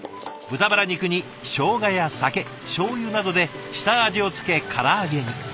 豚バラ肉にしょうがや酒しょうゆなどで下味をつけから揚げに。